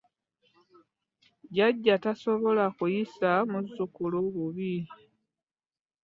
Jjajja tasobola kuyisa muzzukulu bubi.